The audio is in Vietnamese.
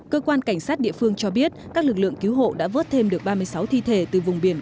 cơ quan cảnh sát địa phương cho biết các lực lượng cứu hộ đã vớt thêm được ba mươi sáu thi thể từ vùng biển